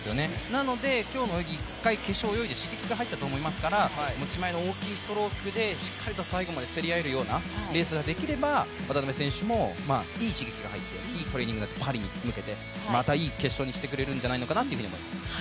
なので今日の泳ぎ、一回決勝を泳いで、刺激が入ったと思いますので、持ち前の大きいストロークでしっかりと最後まで競り合えるようなレースができれば渡辺選手もいい刺激が入って、いいトレーニングがパリに向けて、またいい決勝にしてくれるんじゃないかなと思います。